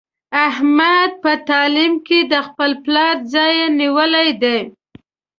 احمد په تعلیم کې د خپل پلار ځای نیولی دی.